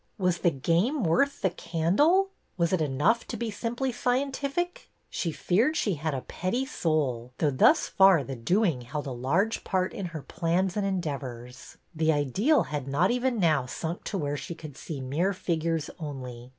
Was the game worth the candle? Was it enough to be simply scientific ? She feared she had a petty soul, though thus far the doing " held a large part in her plans and endeavors ; the ideal had not even now sunk to where she could see mere figures only.